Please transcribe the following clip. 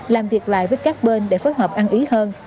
làm việc lại với các bên để phối hợp ăn ý hơn